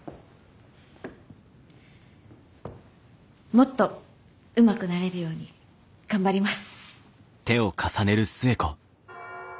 もっとうまくなれるように頑張ります。